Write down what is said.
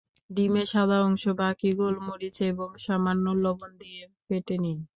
ডিমের সাদা অংশ বাকি গোলমরিচ এবং সামান্য লবণ দিয়ে ফেটে নিন।